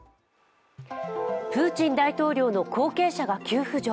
プーチン大統領の後継者が急浮上。